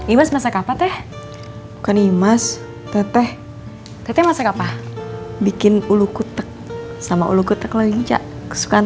ibas masak apa teh bukan imas teteh tetep masak apa bikin ulu kutek sama ulu kutek lelecah kesukaan